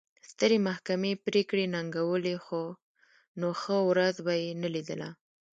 سترې محکمې پرېکړې ننګولې نو ښه ورځ به یې نه لیدله.